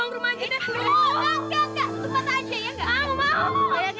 enggak enggak enggak tutup mata aja ya enggak